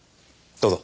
どうぞ。